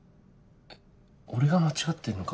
えっ俺が間違ってんのか？